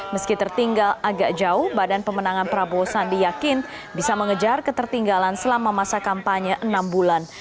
meski tertinggal agak jauh badan pemenangan prabowo sandi yakin bisa mengejar ketertinggalan selama masa kampanye enam bulan